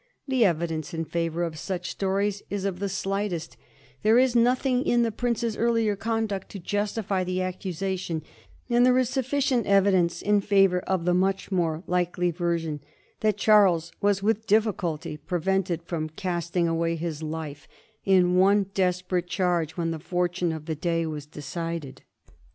The evidence in favor of fiuch stories is of the slightest ; there is nothing in the pnnce's earlier conduct to justify the accusation, and there is sufficient evidence in favor of the much more likely version that Charles was with difficulty prevented from casting away his life in one desperate charge when the fortune of the day was decided.